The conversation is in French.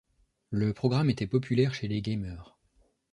Le programme était populaire chez les gamers.